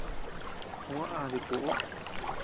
¿A gua á dikuoʼo?